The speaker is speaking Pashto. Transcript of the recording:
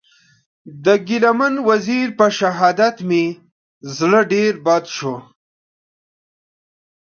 د ګیله من وزېر په شهادت مې زړه ډېر بد سو.